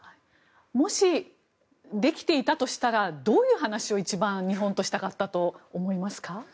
もしできていたとしたらどういう話を一番、日本としたかったと思いますか？